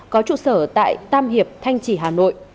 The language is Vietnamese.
có trụ sở tại tam hiệp thanh trì hà nội